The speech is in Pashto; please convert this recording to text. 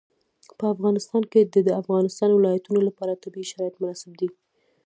په افغانستان کې د د افغانستان ولايتونه لپاره طبیعي شرایط مناسب دي.